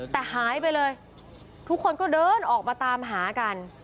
แต่หายไปเลยทุกคนก็เดินออกมาตามหากัน